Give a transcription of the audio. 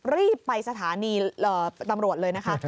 รีบไปสถานีตำรวจเลยนะคะ